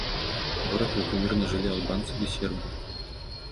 Горад, у якім мірна жылі албанцы ды сербы.